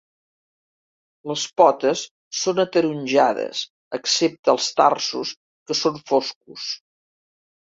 Les potes són ataronjades excepte els tarsos que són foscos.